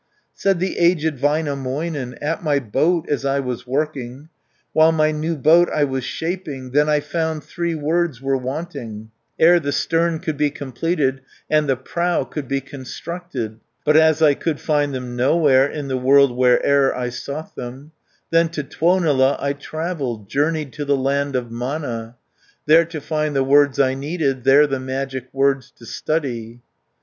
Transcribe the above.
Said the aged Väinämöinen, "At my boat as I was working, 310 While my new boat I was shaping, Then I found three words were wanting, Ere the stern could be completed, And the prow could be constructed, But as I could find them nowhere, In the world where'er I sought them, Then to Tuonela I travelled, Journeyed to the land of Mana, There to find the words I needed, There the magic words to study."